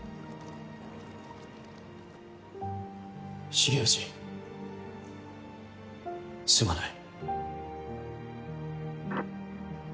重藤すまない。